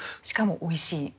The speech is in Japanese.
しかもおいしい。